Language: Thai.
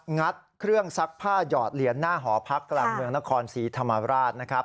งัดเครื่องซักผ้าหยอดเหรียญหน้าหอพักกลางเมืองนครศรีธรรมราชนะครับ